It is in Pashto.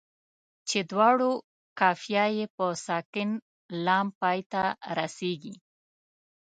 چې دواړو قافیه یې په ساکن لام پای ته رسيږي.